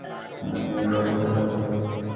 আর মির্জা কোথায় যাবে?